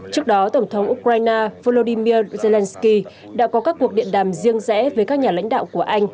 trước đó tổng thống ukraine volodymyr zelensky đã có các cuộc điện đàm riêng rẽ với các nhà lãnh đạo của anh